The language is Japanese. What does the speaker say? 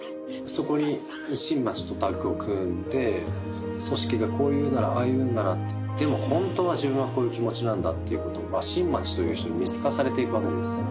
そこに新町とタッグを組んで組織がこう言うならああ言うならでもホントは自分はこういう気持ちなんだっていうことを新町という人に見透かされていくわけです